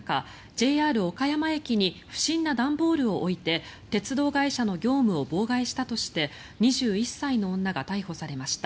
ＪＲ岡山駅に不審な段ボールを置いて鉄道会社の業務を妨害したとして２１歳の女が逮捕されました。